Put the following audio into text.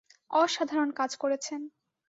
অসাধারণ কাজ করেছেন।